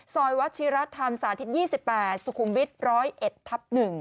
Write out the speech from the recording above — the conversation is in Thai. ซอยวัชฌีรัฐธรรมสาธิต๒๘สุขุมวิทร้อยเอ็ดทับ๑